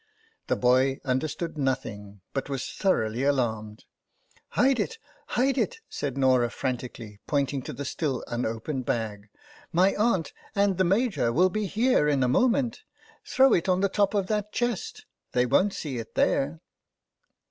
The boy understood nothing, but was thoroughly alarmed. " Hide it, hide it !" said Norah frantically, pointing to the still unopened bag. " My aunt and the Major will be here in a moment. Throw it on the top of that chest ; they won't see it there.''